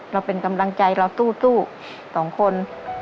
เราเป็นกำลังใจเราสู้สองคน